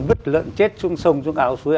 vứt lợn chết xuống sông xuống áo suối